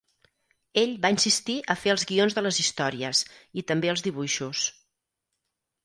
Ell va insistir a fer els guions de les històries i també els dibuixos.